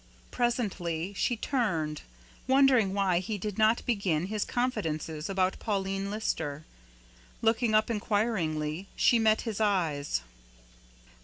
Presently she turned, wondering why he did not begin his confidences about Pauline Lister. Looking up inquiringly, she met his eyes.